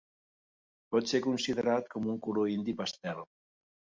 Pot ser considerat com un color indi pastel.